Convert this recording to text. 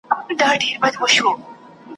يوه ورځ پر دغه ځمکه ,